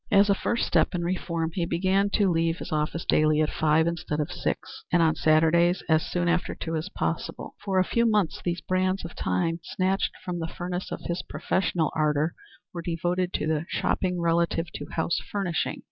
As a first step in reform he began to leave his office daily at five instead of six, and, on Saturdays, as soon after two as possible. For a few months these brands of time snatched from the furnace of his professional ardor were devoted to the shopping relative to house furnishing.